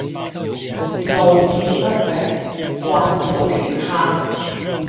路見不平，挖土填坑